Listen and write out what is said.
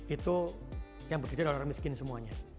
itu yang bekerja adalah orang miskin semuanya